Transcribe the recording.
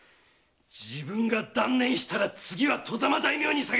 自分が断念したら次は外様大名に下げ渡す！